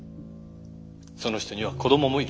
その人には子供もいる。